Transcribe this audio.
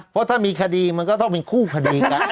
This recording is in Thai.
เพราะถ้ามีคดีมันก็ต้องเป็นคู่คดีกัน